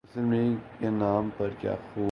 مسلم League کے نام پر کیا خوب